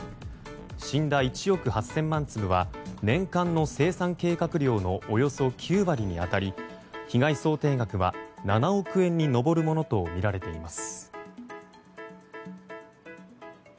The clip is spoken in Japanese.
死んだ１億８０００万粒は年間の生産計画量のおよそ９割に当たり被害想定額は７億円に上るものとみられています。